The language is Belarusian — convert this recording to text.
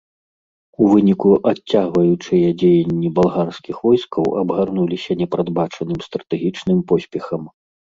У выніку адцягваючыя дзеянні балгарскіх войскаў абгарнуліся непрадбачаным стратэгічным поспехам.